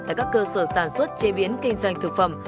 tại các cơ sở sản xuất chế biến kinh doanh thực phẩm